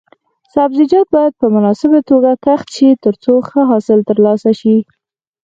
سبزیجات باید په مناسبه توګه کښت شي ترڅو ښه حاصل ترلاسه شي.